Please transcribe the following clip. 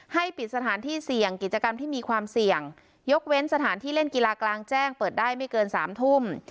ให้ปิดสถานที่เสี่ยงกิจกรรมที่มีความเสี่ยงยกเว้นสถานที่เล่นกีฬากลางแจ้งเปิดได้ไม่เกิน๓ทุ่ม